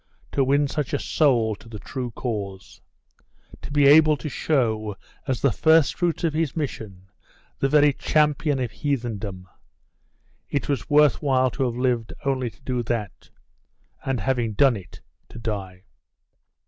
to win such a soul to the true cause! To be able to show, as the firstfruits of his mission, the very champion of heathendom! It was worth while to have lived only to do that; and having done it, to die.